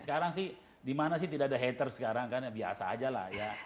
sekarang sih dimana sih tidak ada haters sekarang karena biasa aja lah ya